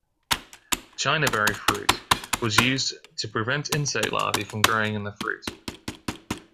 Chinaberry fruit was used to prevent insect larvae from growing in the fruit.